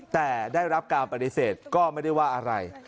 แต่ได้รับการปฏิเสธก็ไม่ได้ว่าอะไร